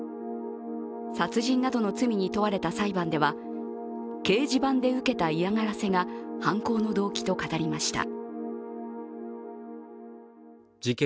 殺人などの罪に問われた裁判では、掲示板で受けた嫌がらせが犯行の動機と語りました。